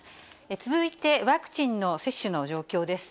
続いて、ワクチンの接種の状況です。